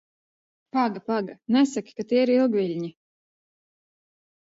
Paga, paga, nesaki, ka tie ir ilgviļņi?